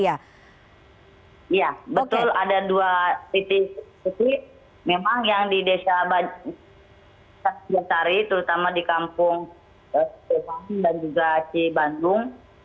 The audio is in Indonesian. iya betul ada dua titik titik memang yang di desa bantari terutama di kampung seteban dan juga di bandung